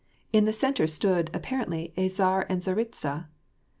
In the centre stood, appar ently, a tsar and tsaritsa.